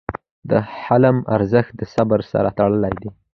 د حلم ارزښت د صبر سره تړلی دی.